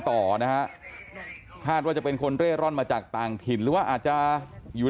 ต่อนะฮะคาดว่าจะเป็นคนเร่ร่อนมาจากต่างถิ่นหรือว่าอาจจะอยู่